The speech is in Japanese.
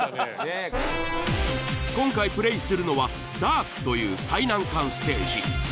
今回プレイするのはダークという最難関ステージ。